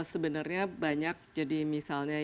sebenarnya banyak jadi misalnya